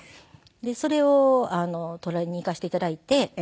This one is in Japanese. それを取りにいかせて頂いて。